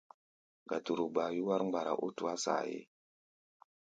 Gaduru gbaa yúwár mgbara ó tuá saayé.